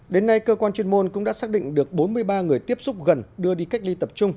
đến nay cơ quan chuyên môn cũng đã xác định được bốn mươi ba người tiếp xúc gần đưa đi cách ly tập trung